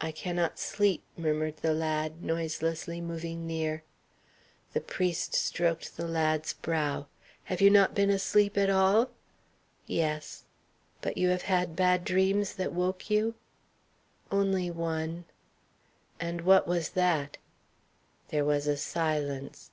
"I cannot sleep," murmured the lad, noiselessly moving near. The priest stroked the lad's brow. "Have you not been asleep at all?" "Yes." "But you have had bad dreams that woke you?" "Only one." "And what was that?" There was a silence.